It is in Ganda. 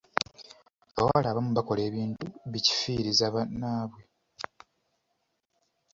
Abawala abamu bakola ebintu bikifiiriza bannaabwe.